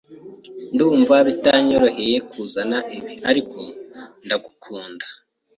Ndumva bitanyoroheye kuzana ibi, ariko ndagukunda.